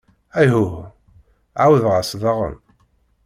Ayhuh, εawdeɣ-as daɣen!